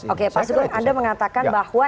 oke pak sugeng anda mengatakan bahwa